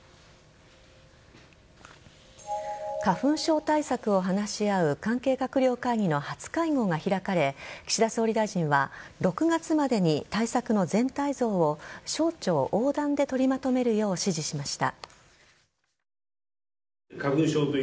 花粉症対策を話し合う関係閣僚会議の初会合が開かれ岸田総理大臣は６月までに対策の全体像を省庁横断で取りまとめるよう指示しました。